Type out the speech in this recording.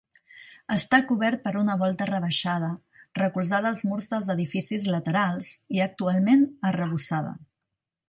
Està cobert per una volta rebaixada, recolzada als murs dels edificis laterals i actualment arrebossada.